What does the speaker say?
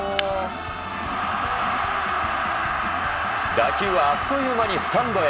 打球はあっという間にスタンドへ。